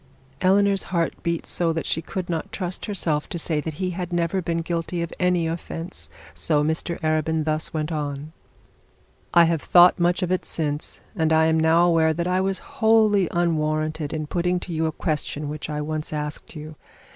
Eleanor's heart beat so that she could not trust herself to say that he had never been guilty of any offence. So Mr Arabin then went on. 'I have thought much of it since, and I am now aware that I was wholly unwarranted in putting to you a question which I once asked you.